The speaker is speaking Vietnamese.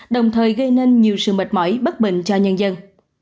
đồng thời gây nên nhiều sự mệt mỏi bất bình cho nhân dân